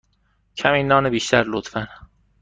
کمی نان بیشتر، لطفا.